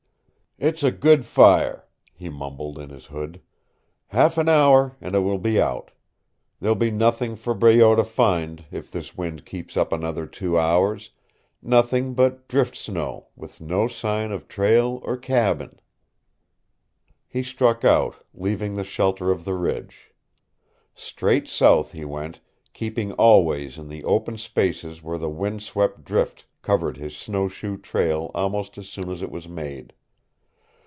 "It's a good fire," he mumbled in his hood. "Half an hour and it will be out. There'll be nothing for Breault to find if this wind keeps up another two hours nothing but drift snow, with no sign of trail or cabin." He struck out, leaving the shelter of the ridge. Straight south he went, keeping always in the open spaces where the wind swept drift covered his snowshoe trail almost as soon as it was made.